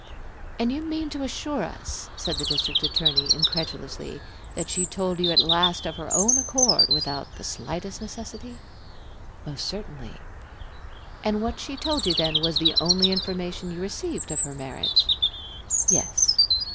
"And you mean to assure us," said the District Attorney, incredulously, "that she told you at last of her own accord, without the slightest necessity?" "Most certainly." "And what she told you then was the only information you received of her marriage?" "Yes."